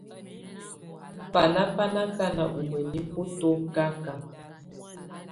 Baná ba na kaná u mənifə tɔ́kaka.